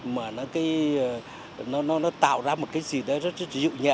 mà nó tạo ra một cái gì đấy rất dịu nhẹ